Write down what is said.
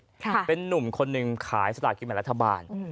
ค่ะเป็นนุ่มคนนึงขายสถานกิจแม่นรัฐบาลอืม